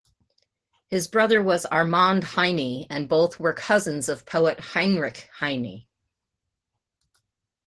His brother was Armand Heine, and both were cousins of poet Heinrich Heine.